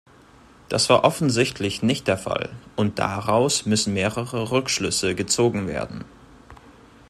Das war offensichtlich nicht der Fall, und daraus müssen mehrere Rückschlüsse gezogen werden.